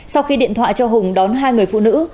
sau khi điện thoại cho hùng đón hai người phụ nữ